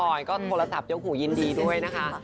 อยก็โทรศัพท์ยกหูยินดีด้วยนะคะ